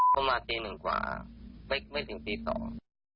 เขามาตีหนึ่งกว่าไม่ถึงตีสอง